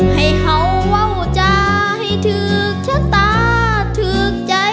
ให้เฮ้าเว้าจาให้ถือกแค่ตาถือกใจ